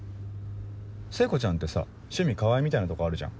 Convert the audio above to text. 聖子ちゃんってさ「趣味川合」みたいなとこあるじゃん。